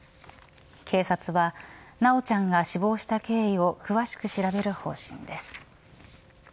警察は修ちゃんが死亡した経緯を詳しく調べる方針です。